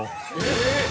えっ！